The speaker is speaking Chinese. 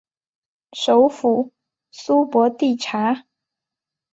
首府苏博蒂察。